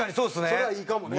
それはいいかもね。